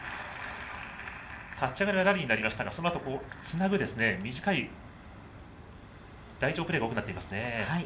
立ち上がりはラリーになりましたがそのあとはつなぐ短い台上プレーが多くなっていますね。